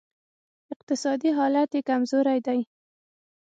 اقتصادي حالت یې کمزوری دی